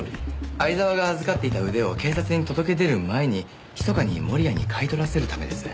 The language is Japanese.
相沢が預かっていた腕を警察に届け出る前に密かに盛谷に買い取らせるためです。